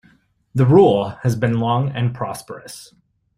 The rule has been long and prosperous.